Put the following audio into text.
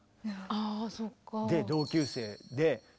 あそうか。